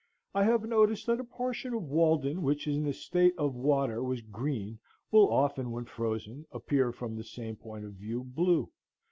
I have noticed that a portion of Walden which in the state of water was green will often, when frozen, appear from the same point of view blue.